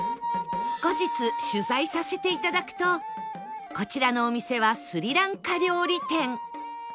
後日取材させていただくとこちらのお店はスリランカ料理店